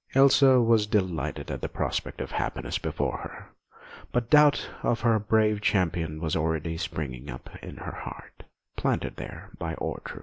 Elsa was delighted at the prospect of happiness before her, but doubt of her brave Champion was already springing up in her heart, planted there by Ortrud.